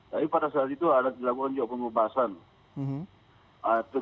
tapi pada saat itu ada dilakukan juga pengobatan